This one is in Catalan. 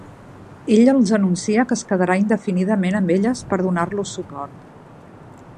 Ell els anuncia que es quedarà indefinidament amb elles per donar-los suport.